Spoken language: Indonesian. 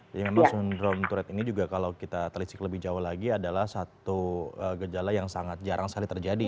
jadi memang sindrom tourette ini juga kalau kita terisik lebih jauh lagi adalah satu gejala yang sangat jarang sekali terjadi ya